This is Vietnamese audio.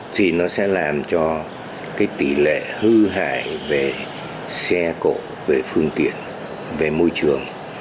thì nó sẽ làm cho tỷ lệ hư hại về xe cộ về phương tiện về môi trường